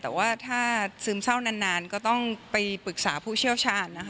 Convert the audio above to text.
แต่ว่าถ้าซึมเศร้านานก็ต้องไปปรึกษาผู้เชี่ยวชาญนะคะ